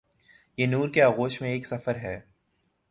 یہ نور کے آغوش میں ایک سفر ہے۔